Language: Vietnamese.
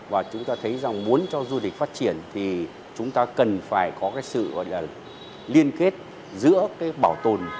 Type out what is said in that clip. và chúng ta thấy rằng muốn cho du lịch phát triển thì chúng ta cần phải có sự liên kết giữa bảo tồn